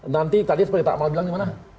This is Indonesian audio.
nanti tadi seperti takmal bilang dimana